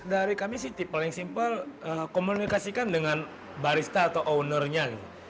dari kami sih paling simpel komunikasikan dengan barista atau ownernya